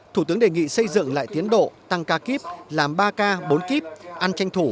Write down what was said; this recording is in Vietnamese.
thủ tướng đề nghị xây dựng lại tiến độ tăng ca kíp làm ba k bốn kip ăn tranh thủ